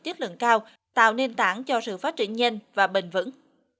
chất lượng cao tạo nền tảng cho sự phát triển nhanh và bền vững